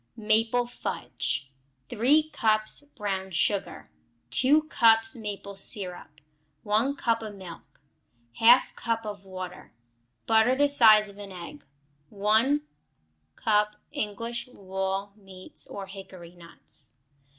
Maple Fudge 3 cups brown sugar. 2 cups maple syrup. 1 cup of milk. 1/2 cup of water. Butter the size of an egg. 1 cup English walnut meats, or hickory nuts.